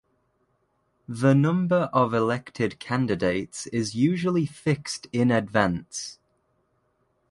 The number of elected candidates is usually fixed in advance.